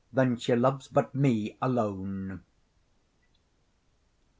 then she loves but me alone.